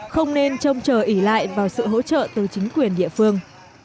không nên trông chờ ỉ lại vào sự hỗ trợ từ chính quyền địa phương